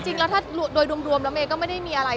จริงแล้วถ้าโดยรวมแล้วเมย์ก็ไม่ได้มีอะไร